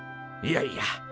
いやいや。